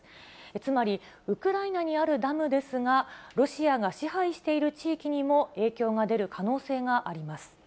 つまり、ウクライナにあるダムですが、ロシアが支配している地域にも影響が出る可能性があります。